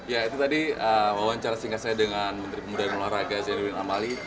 ya itu tadi wawancara singkat saya dengan menteri pemuda dan olahraga zainuddin amali